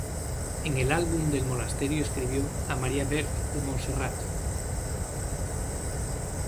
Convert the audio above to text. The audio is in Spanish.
En el álbum del monasterio escribió "A Maria Verge de Montserrat".